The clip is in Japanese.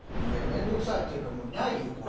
面倒くさいっていうかもうないよこれ。